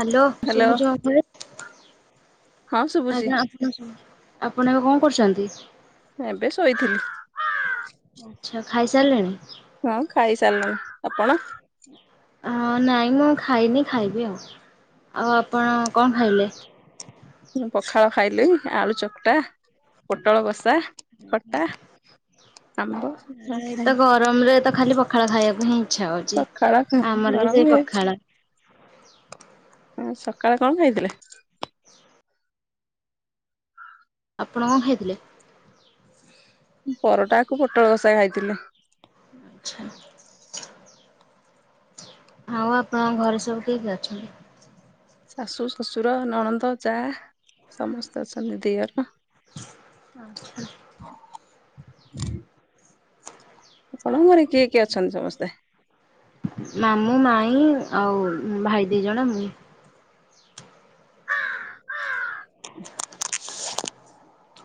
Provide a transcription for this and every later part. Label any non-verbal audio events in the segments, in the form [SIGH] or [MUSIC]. Hello ସୁ ଯହମ ହଁ ଶୁଭୁଛି ଆଜ୍ଞା ଆ ଆପଣଙ୍କ କଣ କରୁଛନ୍ତି ଏବେ ଶୋଇଥିଲି? ଆଚ୍ଛା ଖାଇସାରିଲେଣି ହଁ ଖାଇ ସାରିଲୁଣି ଆପଣ ହ ନାଇଁ ମୁଁ ଖାଇନି ଖାଇବି ଆଉ ଆଉ ଆପଣ କଣ ଖାଇଲେ ପଖାଳ ଖାଇଲି ଆଳୁ ଚକଟା ପୋଟଳ ବଷା ଆମ୍ବ ଏତ ଖାଇବ ଗରମରେ ତ ଖାଲି ପ ପଖାଳ ଖାଇବାକୁ ହିଁ ଇଚ୍ଛା ହଉଛି ପଖାଳ ଆମର ବି ଗରମ ସେଇ ହେଇଛି ପଖାଳ ହଁ ସକାଳେ କଣ ଖାଇଥିଲେ? ଆପଣ କଣ ଖାଇଥିଲେ? ପରଟାକୁ ପୋଟଳ କଷା ଖାଇଥିଲି। [UNINTELLIGIBLE] ଆଉ ଆପଣଙ୍କ ଘରେ ସବୁ କିଏ କିଏ ଅଛନ୍ତି? ଶାଶୁ ଶଶୁର ନଣନ୍ଦ ଯା ସମସ୍ତେ ଅଛନ୍ତି ଦିଅର। [INAUDIBLE] [INAUDIBLE] ଶଣ ମରେ କିଏ କିଏ ଅଛନ୍ତି ସମସ୍ତେ ହଇ ଆଉ ଭାଇ ଦିଇ ଜଣ ହୁଁ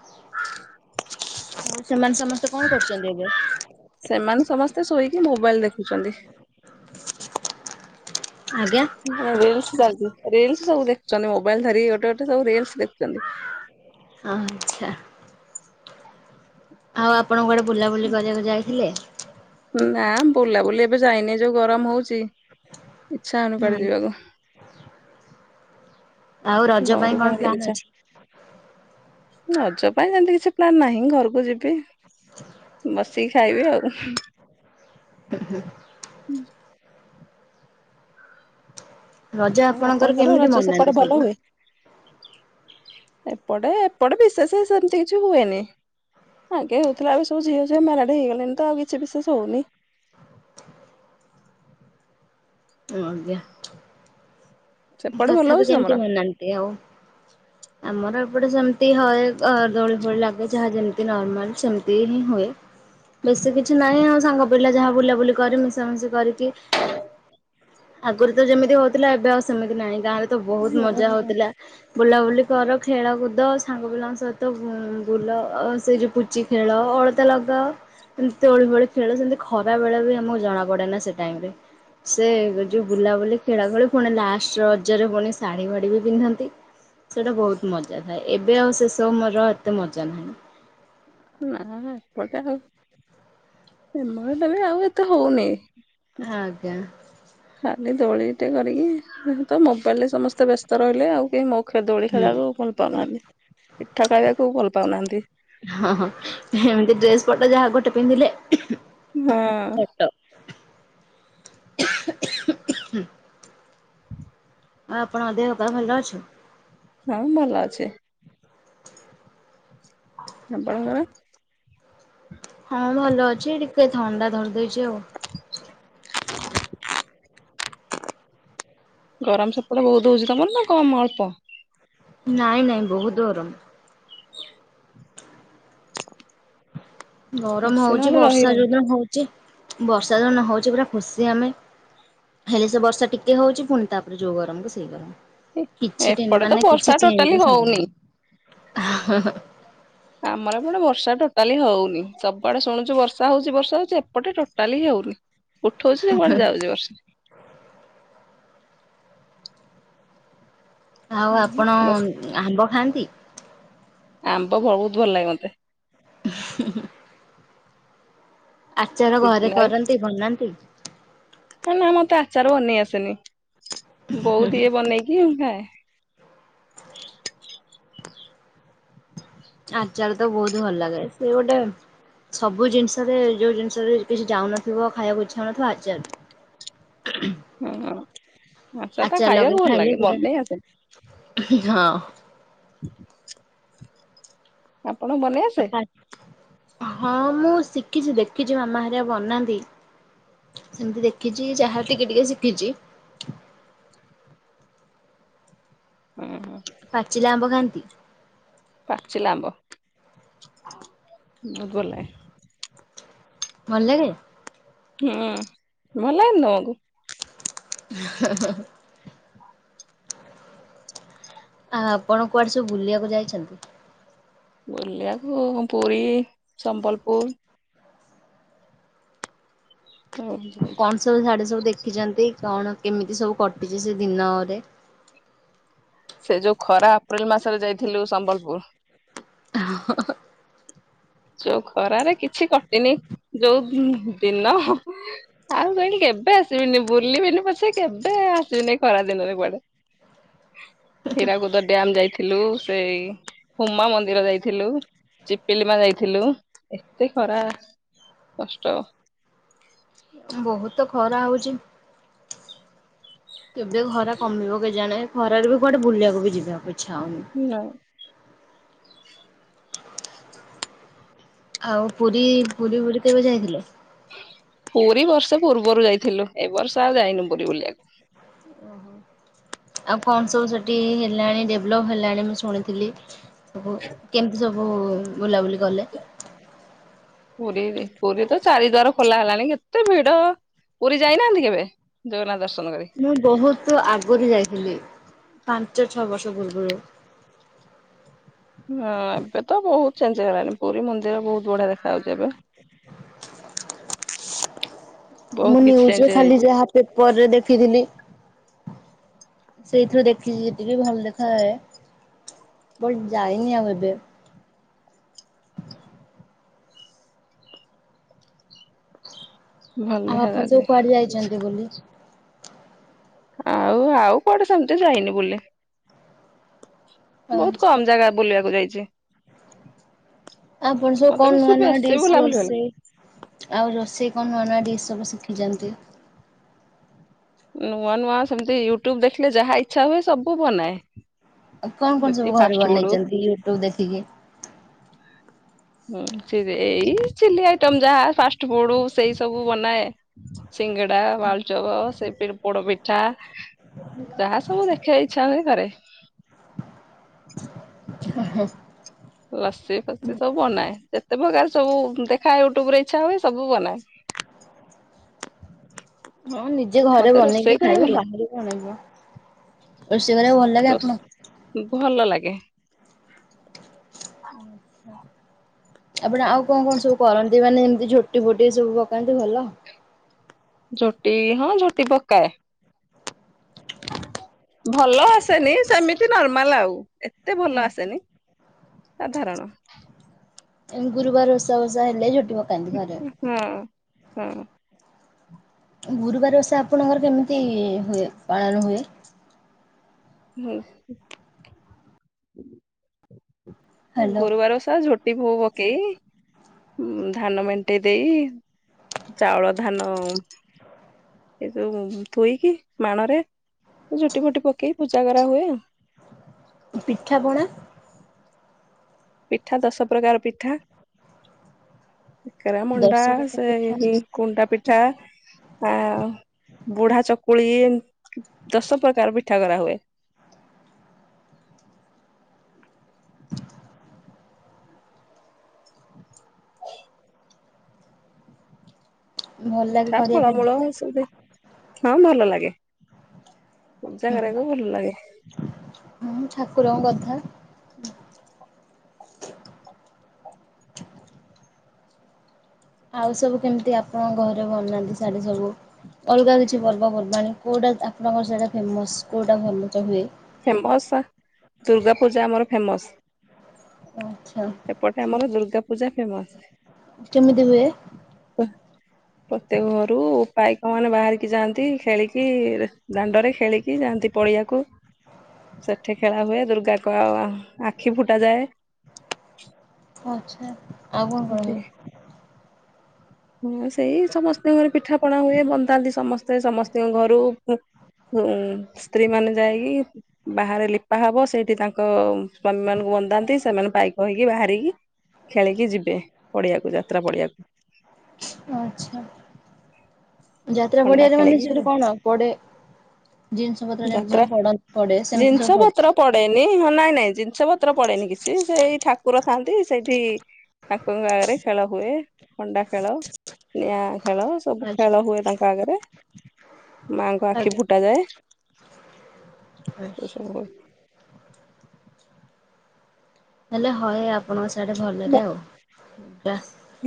[INAUDIBLE] ଆଉ ସେମାନେ ସମସ୍ତେ କଣ କରୁଛନ୍ତି ଏବେ ସେ ଶୋଇକି ମୋବାଇଲ ଦେଖୁଛନ୍ତି ଆଜ୍ଞା। [INAUDIBLE] ରିଲସ ସବୁ ଦେଖୁଛନ୍ତି ମୋବାଇଲ ଧରି ଗୋଟେ ଗୋଟେ ସବୁ ରିଲସ ଦେଖୁଛନ୍ତି ଆଚ୍ଛା। ଆଉ ଆପଣ କୁଆଡେ ବୁଲାବୁଲି କରିବାକୁ ଯାଇଥିଲେ? ନା ବୁଲାବୁଲି ଏବେ ଯାଇନି ଯୋଉ ଗରମ ହଉଛି ଇଚ୍ଛା ହଉନି କୁଆଡେ ହୁଁ। ଯିବାକୁ ଆଉ ରଜ ଘରୁ ପାଇଁ କଣ ବାହାରିବାକୁ ପ୍ଲାନ ଇଚ୍ଛା ଅଛି ରଜ ପାଇଁ ସେମିତି କିଛି ପ୍ଲାନ ନାହିଁ ଘରକୁ ଯିବି ବସି ଖାଇବି ଆଉ [UNINTELLIGIBLE] ରଜ ଆଉ ଆପଣଙ୍କର କେମିତି ରଜ ସେପଟେ ମନାନ୍ତି ଭଲ ସବୁ? ହୁଏ ଏପଟେ ଏପଟେ ବିଶେଷ ସେମିତି କିଛି ହୁଏନି ଆଗେ ହଉଥିଲା ଏବେ ସବୁ ଝିଅ ଝିଅ ମାରାଡେ ହେଇଗଲେଣି ତ ଆଉ କିଛି ବିଶେଷ ହଉନି ଓ ଆଜ୍ଞା ସେପଟେ ଭଲ ତଥାପି ହଉଛି ତମର? କେମିତି ମନାନ୍ତି ଆଉ ଆମର ଏ ଏପଟେ ସେମିତି ହଏ ଦୋଳି ଫୋଳି ଲାଗେ ଯାହା ଯେମତି ନର୍ମାଲ ସେମିତି ହିଁ ହୁଏ ବେଶୀ କିଛି ନାହିଁ ଆଉ ସାଙ୍ଗ ପିଲା ଯାହା ବୁଲାବୁଲି କରି ମିଶାମିଶି କରିକି ଆଗରୁ ତ ଯେମିତି ହଉଥିଲା ଏବେ ଆଉ ସେମିତି ନାହିଁ ଗାଁ ରେ ତ ବହୁତ ମଜା ହଉଥିଲା ବୁଲାବୁଲି କର ଖେଳକୁଦ ସାଙ୍ଗ ପିଲାଙ୍କ ସହିତ ବୁଲ ସେ ଯଉ ପୁଚି ଖେଳ ଅଳତା ଲଗାଅ ତୋଳି ଫୋଳି ଖେଳ ସେମିତି ଖରା ବେଳେ ବି ଆମକୁ ଜଣା ପଡେ ନା ସେ ଟାଇମ ରେ ସେ ଯୋଉ ବୁଲାବୁଲି ଖେଳା ଖେଳି ପୁଣି ଲା ରଜରେ ପୁଣି ଶାଢ଼ୀ ଭାଢି ବି ପିନ୍ଧନ୍ତି। ସେଟା ବହୁତ ମଜା ଥାଏ। ଏବେ ଆଉ ସେ ସବୁ ମୋର ଏତେ ମଜା ନାହିଁ। ନା ଏପଟେ ଆଉମରଲେ ଆଉ ଏତେ ହଉନି। ଆଜ୍ଞା। ଖାଲି ଦୋଳିଟେ କରିକି ତ ମୋବାଇଲରେ ସମସ୍ତେ ତେ ବ୍ୟସ୍ତ ରହିଲେ ଆଉ କେହି ମୋ ଦୋଳି ହୁଁ ଖାଇବାକୁ ଭଲ ପାଉନାହାନ୍ତି। ପିଠା ଖାଇବାକୁ ଭଲ ପାଉନାହାନ୍ତି। ପଟ ଯାହା ଗୋଟେ ପିନ୍ଧିଲେ ଫଟୋ ହଁ। [INAUDIBLE] [UNINTELLIGIBLE] ପା ଭଲ ଅଛି? ହଁ ଭଲ ଅଛି। ଆପଣଙ୍କର। ହଁ ଭଲ ଅଛି ଟିକେ ଥଣ୍ଡା ଧରିଦେଇଛି ଆଉ। ଗରମ ସେପଟ ବହୁତ ହଉଛି ତମର ନା କମ ଅଳ୍ପ ନାଇଁ ନାଇଁ ବହୁତ ଗରମ ଗରମ ବେଶୀ ହଉଛି ନହେଲେ ବର୍ଷା ରହିହଉନି। ଯଉ ଦିନ ହଉଛି ବର୍ଷା ଯଉ ଦିନ ହଉଛି ପୁରା ଖୁସି ଆମେ ହେଲେ ସେ ବର୍ଷା ଟିକେ ହଉଛି ପୁଣି ତାପରେ ଯୋଉ ଗରମ କୁ ସେଇ ଗରମ। କିଛି ଟେନ୍ ଏପଟେ ତ ମାନେ କିଛି ବର୍ଷା ଟୋଟାଲି ଚେଞ୍ଜେସ୍ ହବନି। ହଉନି ଆମର ପଟେ ବର୍ଷାଟା କାଲି ହଉନି। ସବୁଆଡେ ଶୁଣୁଛୁ ବର୍ଷା ହଉଛି ବର୍ଷା ହଉଛି ଏପଟେ ଟୋଟାଲି ହଉନି। ଉଠଉଛି ଯେ କୁଆଡେ ଯାଉଛି ବର୍ଷା ଆଉ ଆପଣ ଆମ୍ବ ଖାଆନ୍ତି। [INAUDIBLE] ଆମ୍ବ ବହୁତ ଭଲ ଲାଗେ ମତେ। [UNINTELLIGIBLE] ଆଚାର ଘରେ ସିଜିନାଲ କରନ୍ତି ବନାନ୍ତି। ନା ନା ମତେ ଆଚାର ବନେଇ ଆସେନି। ବୋଉ ଦିଏ ବନେଇକି ମୁଁ ଖାଏ। ଆଚାର ତ ବହୁତ ଭଲ ଲାଗେ। ସେ ଗୋଟେ ସବୁ ଜିନିଷରେ ଯୋଉ ଜିନିଷରେ କିଛି ଯାଉନଥିବ ଖାଇବାକୁ ଇଛା ହଉନଥିବ ଆଚାର। ହୁଁ ହ ଆଚାର ଲଗେଇ ଖାଇଲେ ପୁରା ଆସେନି। ହଁ ଆପଣଙ୍କୁ ବନେଇ ଆସେ? ହଁ ମୁଁ ଶିଖି ଶଖିଛି ଦେଖିଛି ମାମା ହେରିକା ବନାନ୍ତି ସେମିତି ଦେଖିଛି ଯାହା ଟିକେ ଟିକେ ଶିଖିଛି। ହୁଁ ହୁଁ। ପାଚିଲା ଆମ୍ବ ଖାଆନ୍ତି। ପାଚିଲା ଆମ୍ବ ବହୁତ ଭଲ ଲାଗେ। ଭଲ ଲାଗେ। ହୁଁ ଭଲ ଲାଗେନି ତୁମକୁ। ହେଁ ହେଁ। ଆ ଆପଣ କୁଆଡେ ସବୁ ବୁଲିବାକୁ ଯାଇଛନ୍ତି? ବୁଲିବାକୁ ପୁରୀ ସମ୍ବଲପୁର। କଣ ସବୁ ସିଆଢ଼େ ସବୁ ଦେଖି ଦେଖିଛନ୍ତି କଣ କେମିତି ସବୁ କଟିଛି ସେ ଦିନରେ। ସେ ଯୋଉ ଖରା ଅପ୍ରିଲ ମାସରେ ଯାଇଥିଲୁ ସମ୍ବଲପୁର। ଓହେଁ ହେଁ। ଯୋଉ ଖରାରେ କିଛି କଟିନି ଯୋଉ ଦିନ ହଁ ଆଉ କଣ କେବେ ଆସିବିନି ବୁଲିବିନି ପଛେ କେବେ ଆସିବିନି ଖରା ଦିନରେ କୁଆଡେ। ହୀରାକୁଦ ଡ୍ୟାମ ଯାଇଥି ଥିଲୁ ସେଇ ହୁମା ମନ୍ଦିର ଯାଇଥିଲୁ ଚିପିଲିମା ଯାଇ ଥିଲୁ ଏତେ ଖରା କଷ୍ଟ ବହୁତ ଖରା ହଉଛି। କେବେ ଖରା କମିବ କେଜାଣି? ଖରାରୁ ବି କୁଆଡେ ବୁଲିବାକୁ ବି ଯିବା ହବନି। ଇଚ୍ଛା ହଉନି। ଆଉ ପୁରୀ ପୁରୀ ପୁରୀ କେବେ ଯାଇଥିଲେ? ପୁରୀ ବର୍ଷ ପୂର୍ବରୁ ଯାଇଥିଲୁ ଏ ବର୍ଷ ଆଉ ଯାଇନୁ ପୁରୀ ବୁଲିବାକୁ। ଓହୋ ଆଉ କଣ ସବୁ ସେଠି ହେଲାଣି ଡେଭଲପ ହେଲାଣି ମୁଁ ଶୁଣିଥିଲି। ସବୁ କେମିତି ସବୁ? ସବୁ ବୁଲାବୁଲି କଲେ। ପୁରୀ ପୁରୀ ତ ଚାରି ଦ୍ୱା ଖୋଲା ହେଲାଣି କେତେ ଭିଡ ପୁରୀ ଯାଇନାହାନ୍ତି କେବେ ଜଗନ୍ନାଥ ଦର ମୁଁ ବହୁତ ଆଗରୁ ଯାଇଥିଲି। ପାଞ୍ଚ ଛଅ ବର୍ଷ ପୂର୍ବରୁ। ହଁ ଏବେ ତ ବହୁତ ଚେଞ୍ଜ ହେଇଲାଣି ପୁରୀ ମନ୍ଦିର ବହୁତ ବଢିଆ ଦେଖା ଯାଉଛି ଏବେ। ବହୁତ ମୁଁ କିଛି ନିୁଜରେ ଚେଞ୍ଜ ଖାଲି ହେଇଯାଇଛି ଯାହା ପେପରରେ ଦେଖିଥିଲି ସେଇଥିରୁ ଦେଖଛି ଯେତିକି ଭଲ ଦେଖାାଯାଏ ବଟ ଯାଇନି ଆଉ ଏବେ ଭଲ ଆଉ ଆପଣ ସବୁ ଦେଖାଯାଉଛି କୁଆଡେ ଯାଇଛନ୍ତି ବୋଲି ଆଉ ଆଉ କୁଆଡେ ସେମିତି ଯାଇନି ବୁଲେ ବହୁତ କମ ଜାଗା ବୁଲିବାକୁ ଯାଇଛି ଆ ଆପଣ ସବୁ ମତେ କଣ ବେଶୀ ନୂଆ ନୂଆ ବେଶୀ ଡିସ୍ ବୁଲାବୁଲି ଭଲ ରୋଷେଇ ଆଉ ରୋଷେଇ କଣ ନୂଆ ନୂଆ ଡିସ୍ ସବୁ ଶିଖି ଯାନ୍ତି ନୂଆ ନୂଆ ସେମିତି ୟୁଟ୍ୟୁବ ଦେଖିଲେ ଯାହା ଇଛା ହୁଏ ସବୁ ବନାଏ। ଆଉ କଣ କଣ ସବୁ ଯେତିକି ଘରେ ଫାଷ୍ଟ ଫୁଡ ବନେଇଛନ୍ତି ୟୁଟ୍ୟୁବ ଦେଖିକି। ହୁଁ ଏଇ ଚିଲି ଆଇଟମ ଯାହା ଫାଷ୍ଟ ଫୁଡ ସେଇ ସବୁ ବନାଏ ସିଙ୍ଗଡା ଆଳୁଚବ ସେ ପୋଡପିଠା। ଯାହା ସବୁ। [INAUDIBLE] [UNINTELLIGIBLE] [UNINTELLIGIBLE] ଲସି ଫସି ସବୁ ବନାଏ ଯେତେ ପ୍ରକାର ସବୁ ଦେଖାଏ ୟୁଟ୍ୟୁବ ରେ ଇଚ୍ଛା ହୁଏ ସବୁ ବନାଏ। ହଁ ନିଜେ ଘରେ ମତେ ରୋଷେଇ ବନେଇକି କରିବା ଖାଇବ ଭଲ ବାହାର [INAUDIBLE] ରୋଷେଇ କରିବାକୁ ଭଲ ଲାଗେ ରୋଷ ଆପଣଙ୍କୁ। [UNINTELLIGIBLE] ଆପଣ ଆଉ କଣ କଣ ସବୁ କରନ୍ତି ମାନେ ଏମିତି ଝୋଟି ଫୋଟି ସବୁ ପକାନ୍ତି ଭଲ। ଝୋଟି ହଁ ଝୋଟି ପକାଏ। ଭଲ ଆସେନି ସେମିତି ନର୍ମାଲ ଆଉ। ଏତେ ଭଲ ଆସେନି। ସାଧାରଣ। ଗୁରୁବାର ଓଷା ଓଷା ହେଲେ ଝୋ। [INAUDIBLE] ଘରେ। ହୁଁ। ଗୁରୁବାର ବଷା ଆପଣଙ୍କର କେମିତି ହୁଏ ପାଳନ ହୁଏ। ହୁଁ। ହ୍ୟାଲୋ ଗୁରୁବାର ଓଷା ଝୋ। [INAUDIBLE] ପକେଇ ଧାନ ମେଣ୍ଟେଇ ଦେଇ ଚାଉଳ ଧାନ। ଏ ଯୋ ଥୁଇକି ମାଣରେ। ମୁଁ ଝୋଟି ପୋଟି ପକେଇ ପୂଜା କରି। [UNINTELLIGIBLE] ପିଠାପଣା। ପିଠା ଦଶ ପ୍ରକାର ପିଠା। କାକରା ମଣ୍ଡା ଦଶଯାକ ସେ ପିଠା କୁଣ୍ଡା ପିଠା ଆ ବୁଢା ଚକୁଳି ଦଶ ପ୍ରକାର ପିଠା। ଠା କରାହୁଏ। [UNINTELLIGIBLE] ଭଲ ଲାଗେ ପିଠା କରିବା ପାଇଁ। ଫଳମୂଳ [INAUDIBLE] ହଁ ଭଲ ଲାଗେ। ପୂଜା କରିବାକୁ ଭଲ ଲାଗେ ଠାକୁର କଥା। ଆଉ ସବୁ କେମିତି ଆପଣଙ୍କ ଘରେ [INAUDIBLE] ସବୁ ଅଲଗା କିଛି ପର୍ବପର୍ବାଣି କୋଉଟା ଆପଣଙ୍କର [INAUDIBLE] ଫେମସ୍ କୋଉଟା [INAUDIBLE] ହୁଏ। ଫେମସ ଦୁର୍ଗା ପୂଜା ଆମର ଫେମସ। ଆଚ୍ଛା ଏପଟେ ଆମର ଦୁର୍ଗା। ପୂଜା ଫେମସ। କେମିତି ହୁଏ। ପ୍ରତ୍ୟେକ ଘରୁ ପାଇକ ମାନେ ବାହାରିକି ଯାଆନ୍ତି ଖେଳିକି ଦାଣ୍ଡରେ ଖେଳିକି ଯାଆନ୍ତି ପଡିଆକୁ। ସେଠି ଖେଳା ହୁଏ ଦୁର୍ଗା କ ଆଖି ଫୁଟା ଯାଏ। ଆଚ୍ଛା ଆଉ କଣ କହିବେ? ହୁଁ ସେଇ ସମସ୍ତଙ୍କର ପିଠାପଣା ହୁଏ ବନ୍ଦାନ୍ତି ସମସ୍ତେ ସମସ୍ତଙ୍କ ଘରୁ ସ୍ତ୍ରୀ ମାନେ ଯାଇକି ବାହାରେ ଲିପା ହବ ସେଇଠି ତାଙ୍କ ସ୍ଵାମୀ ମାନଙ୍କୁ ବନ୍ଦାନ୍ତି ସେମାନେ ପାଇକ ହେଇକି ବାହାରିକି ଖେଳିକି ଯିବେ। ବେ ପଡିଆକୁ ଯାତ୍ରା ପଡିଆକୁ। ଆଚ୍ଛା ଯାତ୍ରା ଖଣ୍ଡା ପଡିଆରେ ମାନେ ଖେଳିକି ସେଠି କଣ ପଡେ ଜିନିଷ ପତ୍ର ଯେମିତି ଯାତ୍ରା ସବୁ ପଡେ ସେମିତି ସବୁ ଜିନିଷ ପତ୍ର ପଡେ ପଡେନି ହଁ ନାଇଁ ନାଇଁ ଜିନିଷ ପତ୍ର ପଡେନି କିଛି ସେ ଏଇ ଠାକୁର ଥାଆନ୍ତି। ସେଠି ଠାକୁର ଙ୍କ ଆଗରେ ଖେଳ ହୁଏ ଖଣ୍ଡା ଖେଳ ନିଆଁ ଖେଳ ସବୁ ଖେଳ ଆଚ୍ଛା ହୁଏ ତାଙ୍କ ଆଗରେ ମାଙ୍କ ଆଖି ଫୁଟା ଆଜ୍ଞା। ଯାଏ ଏ ଆଚ୍ଛା ସବୁ ହୁଏ। ହେଲେ ହ ଆପଣଙ୍କ ସେଇଟା ଭଲରେ ଆଉ ବା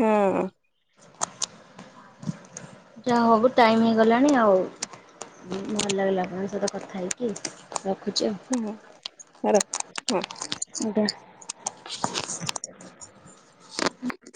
ହୁଁ ଉଁ [UNINTELLIGIBLE] ଯାହା ହବୁ ଟାଇମ ହେଇଗଲାଣି ଆଉ ଭଲ ଲାଗିଲା ଆପଣଙ୍କ ସହିତ କଥା ହେଇକି ରଖୁଛି ଆଉ। ହୁଁ ରଖ ଆଜ୍ଞା [INAUDIBLE]